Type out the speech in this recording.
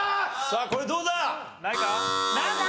さあこれどうだ？